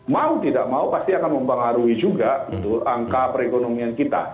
mau tidak mau pasti akan mempengaruhi juga angka perekonomian kita